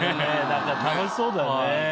何か楽しそうだよね。